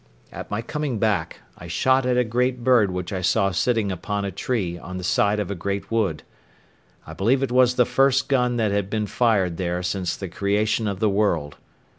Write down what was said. At my coming back, I shot at a great bird which I saw sitting upon a tree on the side of a great wood. I believe it was the first gun that had been fired there since the creation of the world.